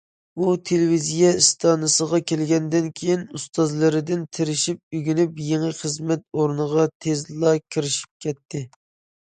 ئۇ تېلېۋىزىيە ئىستانسىسىغا كەلگەندىن كېيىن، ئۇستازلىرىدىن تىرىشىپ ئۆگىنىپ، يېڭى خىزمەت ئورنىغا تېزلا كىرىشىپ كەتتى.